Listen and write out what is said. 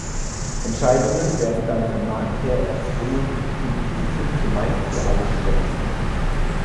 Entscheidungen werden dann vom Markt her erzwungen, und diese sind zumeist für alle schrecklich.